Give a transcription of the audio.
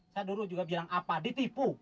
saya dulu juga bilang apa ditipu